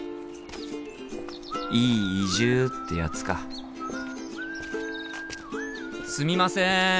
いい移住ってやつかすみません！